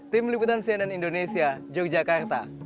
tim liputan cnn indonesia yogyakarta